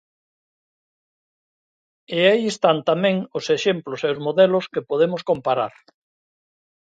E aí están tamén os exemplos e os modelos que podemos comparar.